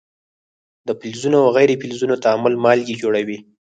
د فلزونو او غیر فلزونو تعامل مالګې جوړوي.